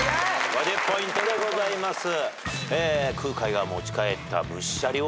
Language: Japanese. ５０ポイントでございます。